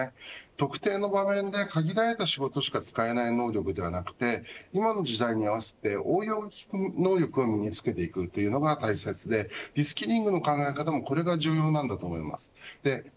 特定の場面で限られた仕事でしか使えない能力ではなくて今の時代に合わせて応用が利く能力を見つけていくというのが大切でリスキリングの考えもこの需要だと思います。